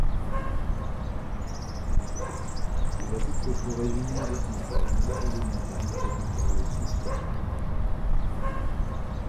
Il habite les forêts humides en plaine et les montagnes tropicales et subtropicales.